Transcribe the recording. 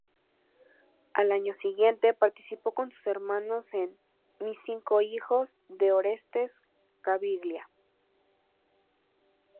Al año siguiente participó con sus hermanos en "Mis cinco hijos", de Orestes Caviglia.